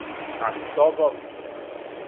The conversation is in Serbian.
А с тобом?